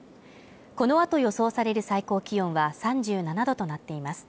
このあと予想される最高気温は３７度となっています